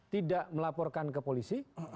tidak melaporkan ke polisi